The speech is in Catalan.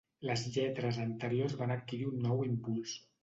Les lletres anteriors van adquirir un nou impuls.